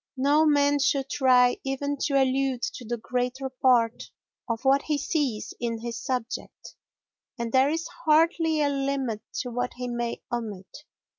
No man should try even to allude to the greater part of what he sees in his subject, and there is hardly a limit to what he may omit.